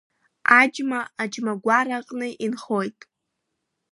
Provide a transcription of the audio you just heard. Аџьма аџьмагәара аҟны инхоит…